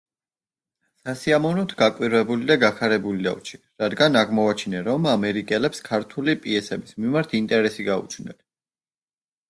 სასიამოვნოდ გაკვირვებული და გახარებული დავრჩი, რადგან აღმოვაჩინე, რომ ამერიკელებს ქართული პიესების მიმართ ინტერესი გაუჩნდათ.